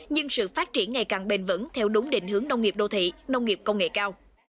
nhưng sự phát triển ngày càng bền vững theo đúng định hướng nông nghiệp đô thị nông nghiệp công nghệ cao